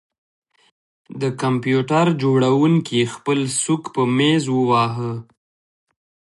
د کمپیوټر جوړونکي خپل سوک په میز وواهه